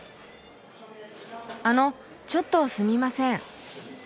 あのちょっとすみません。